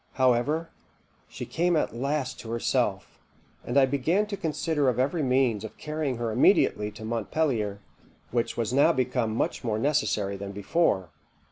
However, she came at last to herself, and I began to consider of every means of carrying her immediately to Montpelier, which was now become much more necessary than before.